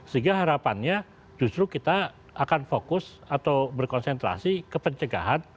sehingga harapannya justru kita akan fokus atau berkonsentrasi ke pencegahan